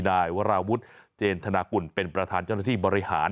นายวราวุฒิเจนธนากุลเป็นประธานเจ้าหน้าที่บริหาร